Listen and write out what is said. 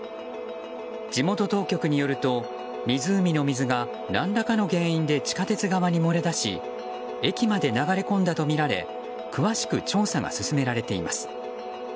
地元当局によると湖の水が何らかの原因で地下鉄側に漏れ出し駅まで流れ込んだとみられ詳しく調査が進められています。